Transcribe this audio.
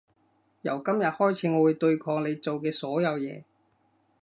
由今日開始我會對抗你做嘅所有嘢